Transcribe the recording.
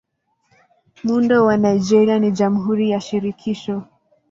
Muundo wa Nigeria ni Jamhuri ya Shirikisho.